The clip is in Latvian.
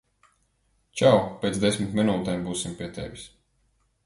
Čau, pēc desmit minūtēm būsim pie tevis.